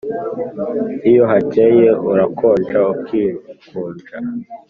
Iyo hacyeye urakonja ukikunja